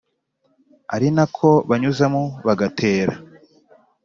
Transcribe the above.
arinako banyuzamo bagatera